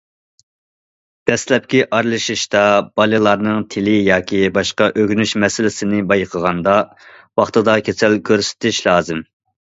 دەسلەپكى ئارىلىشىشتا، بالىلارنىڭ تىلى ياكى باشقا ئۆگىنىش مەسىلىسىنى بايقىغاندا، ۋاقتىدا كېسەل كۆرسىتىش لازىم.